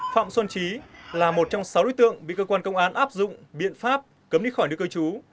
phạm xuân trí là một trong sáu đối tượng bị cơ quan công an áp dụng biện pháp cấm đi khỏi nước cơ chú